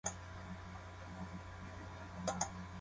イゼール県の県都はグルノーブルである